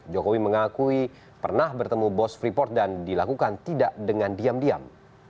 jokowi mengakui pernah bertemu bos freeport dan dilakukan tidak dengan diam diam